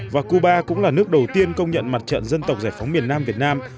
và cuba cũng là nước đầu tiên công nhận mặt trận dân tộc giải phóng miền nam việt nam